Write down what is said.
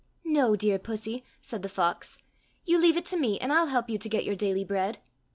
—" No, dear Pussy !" said the fox ;" you leave it to me, and I'll help you to get your daily bread."